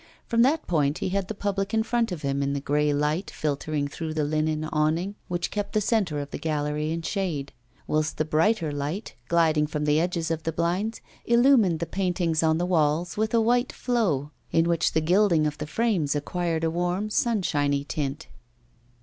From that point, he had the public in front of him in the grey light filtering through the linen awning which kept the centre of the gallery in shade; whilst the brighter light, gliding from the edges of the blinds, illumined the paintings on the walls with a white flow, in which the gilding of the frames acquired a warm sunshiny tint.